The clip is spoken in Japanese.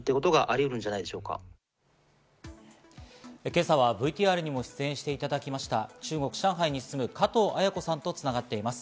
今朝はＶＴＲにも出演していただきました中国・上海に住む加藤彩子さんと繋がっています。